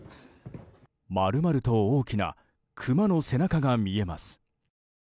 丸々と大きなクマの背中が見えます。